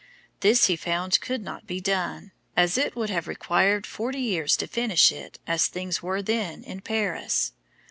This he found could not be done, as it would have required 40 years to finish it as things were then in Paris.